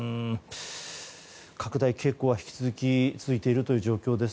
拡大傾向が引き続き続いている状況です。